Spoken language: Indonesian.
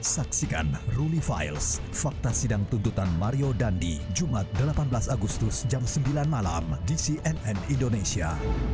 saksikan rule files fakta sidang tuntutan mario dandi jumat delapan belas agustus jam sembilan malam di cnn indonesia